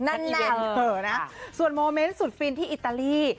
นั่นแหละส่วนโมเมนต์สุดฟินที่อิตาลี